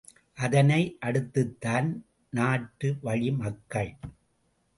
அதனை அடுத்துத்தான் நாட்டுவழிமக்கள்!